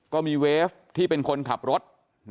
ก็มีเวฟที่เป็นคนขับรถ